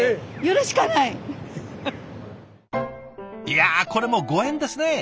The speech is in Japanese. いやこれもご縁ですね。